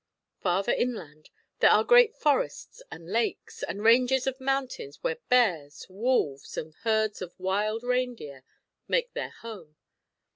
Farther inland, there are great forests and lakes, and ranges of mountains where bears, wolves, and herds of wild reindeer make their home.